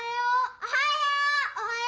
おはよう！